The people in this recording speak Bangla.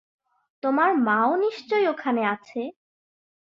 তোমার মাও নিশ্চয়ই ওখানে আছে।